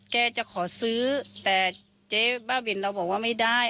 แกจะขอซื้อแต่เจ๊บ้าบินเราบอกว่าไม่ได้